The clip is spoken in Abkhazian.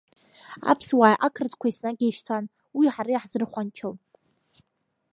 Аԥсуааи ақырҭқәеи еснагь еишьцәан, уи ҳара иаҳзырхәанчом.